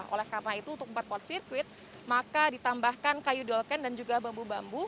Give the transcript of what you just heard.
oleh karena itu untuk empat port sirkuit maka ditambahkan kayu dolken dan juga bambu bambu